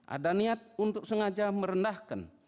ada niat untuk sengaja merendahkan